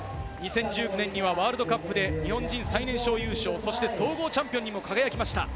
２０１９年にはワールドカップで日本人最年少優勝、そして総合チャンピオンにも輝きました。